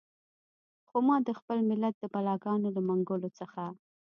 خو ما د خپل ملت د بلاګانو له منګولو څخه.